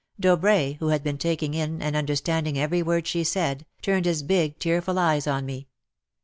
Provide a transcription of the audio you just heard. Dobrai, who had been taking in and understanding every word she said, turned his big tearful eyes on me.